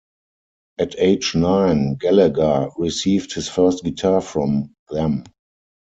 At age nine, Gallagher received his first guitar from them.